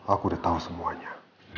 aku sudah tahu semuanya